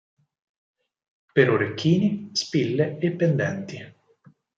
Per orecchini, spille e pendenti.